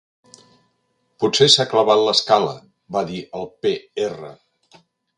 Potser s'ha clavat l'escala —va dir el Pe Erra—.